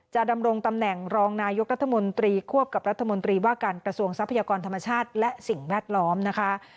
ดำรงตำแหน่งรองนายกรัฐมนตรีควบกับรัฐมนตรีว่าการกระทรวงทรัพยากรธรรมชาติและสิ่งแวดล้อมนะคะ